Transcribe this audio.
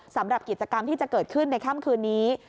สำหรับกิจกรรมที่จะเกิดขึ้นในค่ำคืนนี้